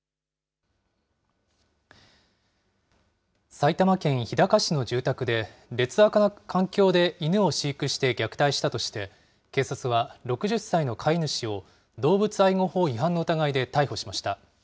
埼玉県日高市の住宅で、劣悪な環境で、犬を飼育して虐待したとして、警察は６０歳の飼い主を、動物愛護法違反の疑いで逮捕しました。